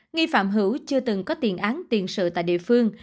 nghi phạm hữu chưa từng có tiền án tiền sự tại địa phương